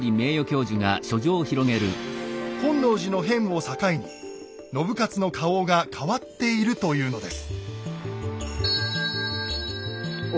本能寺の変を境に信雄の花押が変わっているというのです。